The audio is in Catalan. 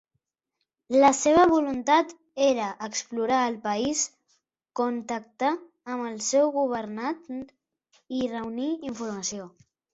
La seva voluntat era explorar el país, contactar amb el seu governant i reunir informació.